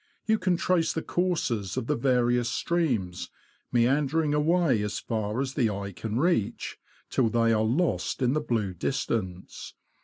You can trace the courses of the various streams, meander ing away as far as the eye can reach, till they are lost in the blue distance.